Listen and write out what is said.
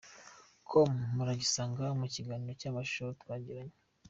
com muragisanga mu kiganiro cy'amashusho twagiranye.